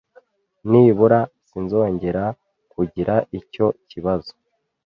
Nibura sinzongera kugira icyo kibazo